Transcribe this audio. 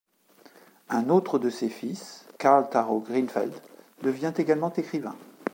Un autre de ses fils, Karl Taro Greenfeld, devient également écrivain.